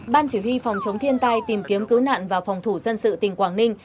ban chỉ huy phòng chống thiên tai tìm kiếm cứu nạn và phòng thủ dân sự tỉnh quảng ninh